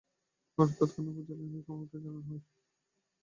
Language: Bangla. ঘটনাটি তাৎক্ষণিক উপজেলা নির্বাহী কর্মকর্তাকে জানানো হয়।